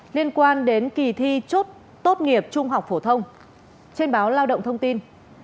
liên quan đến kỳ thi tốt nghiệp trung học phổ thông trên báo lao động thông tin